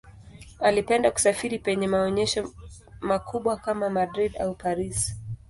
Alipenda kusafiri penye maonyesho makubwa kama Madrid au Paris.